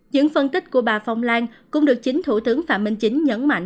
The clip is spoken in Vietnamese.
những phân tích của bà phong lan cũng được chính thủ tướng phạm minh chính nhấn mạnh